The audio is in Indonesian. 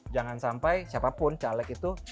jangan sampai siapapun caleg itu